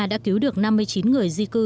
đã cứu được năm mươi chín người di cư